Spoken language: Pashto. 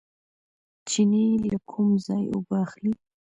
چینې له کوم ځای اوبه اخلي؟